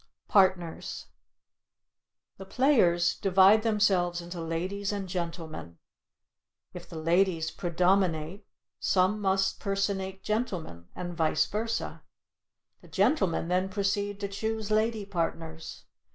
PARTNERS The players divide themselves into ladies and gentlemen, if the ladies predominate some must personate gentlemen, and vice versa. The gentlemen then proceed to choose lady partners.